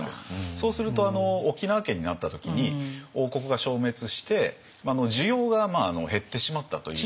そうすると沖縄県になった時に王国が消滅して需要が減ってしまったというのが。